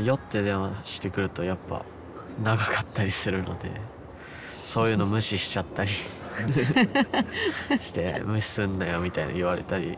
酔って電話してくるとやっぱ長かったりするのでそういうの無視しちゃったりして「無視すんなよ」みたいに言われたり。